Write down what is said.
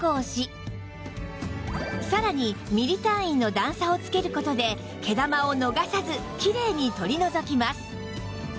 さらにミリ単位の段差を付ける事で毛玉を逃さずきれいに取り除きます